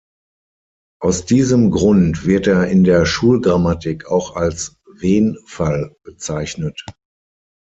Aus diesem Grund wird er in der Schulgrammatik auch als Wen-Fall bezeichnet.